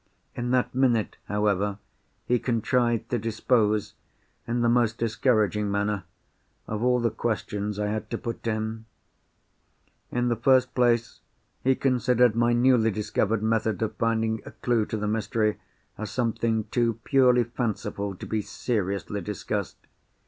In that minute, however, he contrived to dispose—in the most discouraging manner—of all the questions I had to put to him. In the first place, he considered my newly discovered method of finding a clue to the mystery as something too purely fanciful to be seriously discussed.